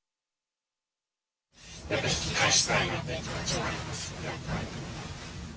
やっぱり引き返したいなという気持ちはありますね、やっぱり。